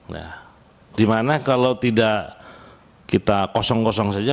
nah dimana kalau tidak kita kosong kosong saja